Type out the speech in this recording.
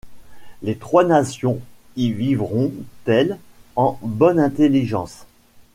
Les trois nations y vivront-elles en bonne intelligence ?